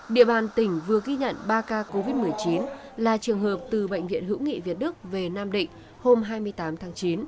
địa bàn tỉnh vừa ghi nhận ba ca covid một mươi chín là trường hợp từ bệnh viện hữu nghị việt đức về nam định hôm hai mươi tám tháng chín